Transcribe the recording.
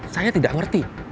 saya tidak ngerti